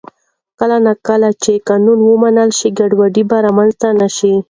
کله نا کله چې قانون ومنل شي، ګډوډي به رامنځته نه شي.